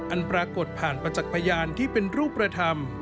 ปรากฏผ่านประจักษ์พยานที่เป็นรูปธรรม